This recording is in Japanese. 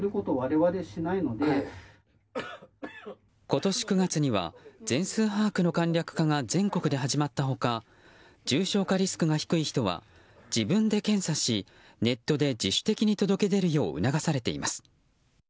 今年９月には全数把握の簡略化が全国で始まった他重症化リスクが低い人は自分で検査しネットで自主的に届け出るよう促されています。